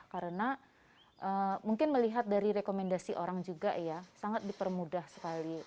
karena mungkin melihat dari rekomendasi orang juga ya sangat dipermudah sekali